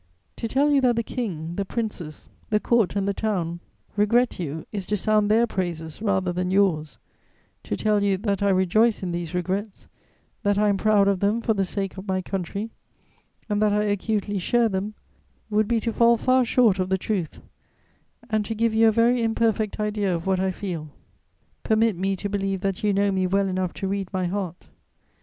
To tell you that the King, the Princes, the Court and the Town regret you is to sound their praises rather than yours; to tell you that I rejoice in these regrets, that I am proud of them for the sake of my country and that I acutely share them would be to fall far short of the truth and to give you a very imperfect idea of what I feel. Permit me to believe that you know me well enough to read my heart.